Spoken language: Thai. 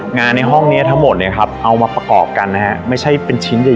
งานห้องนี้ทั้งหมดเอามาประกอบกันเฉินประมาณ๕๐๐ชิ้น